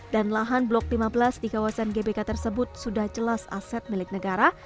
dan lahan blok lima belas di kawasan gbk tersebut sudah jelas aset milik negara